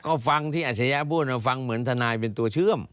ก็ฟังที่อัชริยะพูดมาฟังเหมือนทนายเป็นตัวเชื่อม